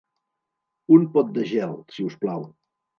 Un pot de gel, si us plau.